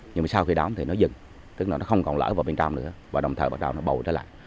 nhưng mà sau khi đóng thì nó dừng tức là nó không còn lỡ vào bên nữa và đồng thời bắt đầu nó bầu trở lại